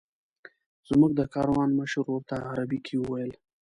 زموږ د کاروان مشر ورته عربي کې وویل.